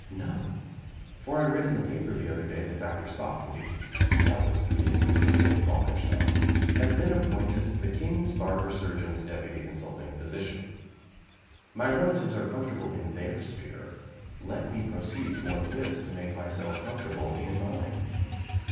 No: for I read in the paper the other day, that Doctor Softly (doubtless through the interest of Lady Malkinshaw) has been appointed the King's Barber Surgeon's Deputy Consulting Physician. My relatives are comfortable in their sphere let me proceed forthwith to make myself comfortable in mine.